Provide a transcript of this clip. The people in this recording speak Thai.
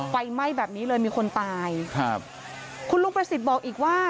ไฟไหม้แบบนี้เลยมีคนตายครับคุณลุงประสิทธิ์บอกอีกว่า